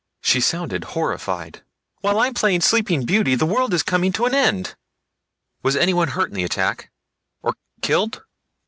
She sounded horrified. "While I'm playing Sleeping Beauty the world is coming to an end! Was anyone hurt in the attack? Or killed?"